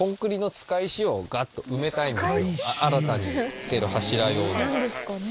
新たに付ける柱用に。